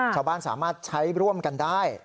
ชาวบ้านสามารถใช้ร่วมกันได้